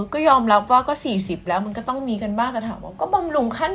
ก็ยอมรับว่าก็สี่สิบแล้วมันก็ต้องมีกันบ้าง